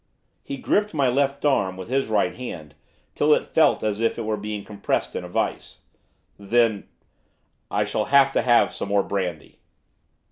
He gripped my left arm with his right hand till it felt as if it were being compressed in a vice. 'Then I shall have to have some more brandy.